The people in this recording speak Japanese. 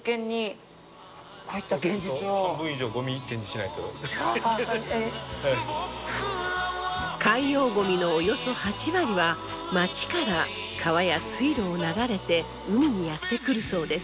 なんといっても海洋ゴミのおよそ８割は町から川や水路を流れて海にやって来るそうです。